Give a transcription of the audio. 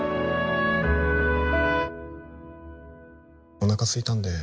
おなかすいたんで